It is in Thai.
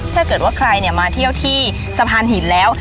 ถ้าเกิดว่าใครมาเที่ยวที่สะพานหินแล้ว